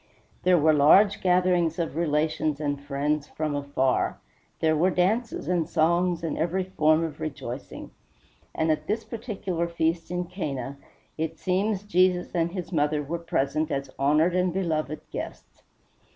There were large gatherings of relations and friends from afar; there were dances and songs, and every form of rejoicing; and at this particular feast in Cana it seems Jesus and his mother were present as honored and beloved guests.